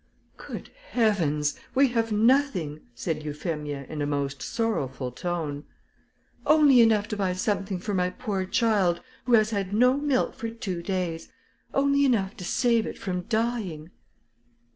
"Good Heavens! we have nothing," said Euphemia, in a most sorrowful tone. "Only enough to buy something for my poor child, who has had no milk for two days! only enough to save it from dying!"